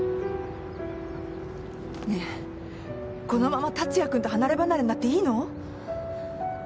ねぇこのまま達也君と離れ離れになっていいの？でも。